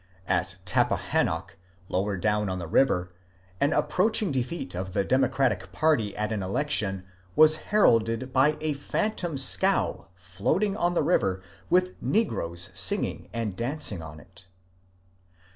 At Tappahannock, lower down on the river, an approach ing defeat of the Democratic party at an election was heralded A FALMOUTH WITCH 23 by a phantom scow floating on the river with negroes sing ing and dancing on it.